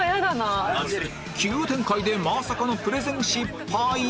急展開でまさかのプレゼン失敗！？